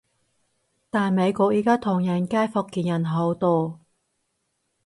但美國而家唐人街，福建人好多